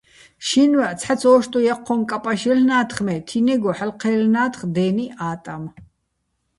შინვაჸ ცჰ̦აც ო́შტუჼ ჲაჴჴო́ჼ კაპაშ ჲელ'ნათხ, მე თინეგო ჰ̦ალო̆ ჴაჲლლნა́თხ დე́ნიჸ ა́ტამ.